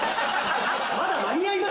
まだ間に合います。